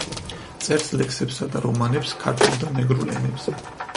წერს ლექსებსა და რომანებს ქართულ და მეგრულ ენებზე.